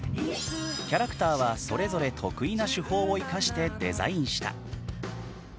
キャラクターはそれぞれ得意な手法を生かしてデザインした。